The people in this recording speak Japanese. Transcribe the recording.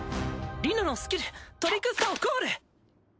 リノのスキルトリクスタをコール！